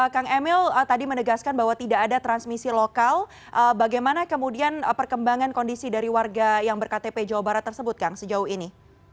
kang emil tadi menegaskan bahwa tidak ada transmisi lokal bagaimana kemudian perkembangan kondisi dari warga yang berktp jawa barat tersebut kang sejauh ini